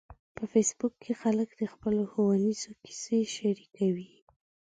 په فېسبوک کې خلک د خپلو ښوونیزو کیسو شریکوي